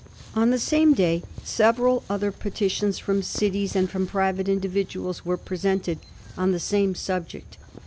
On the same day several other petitions from cities, and from private individuals, were presented on the same sub ject.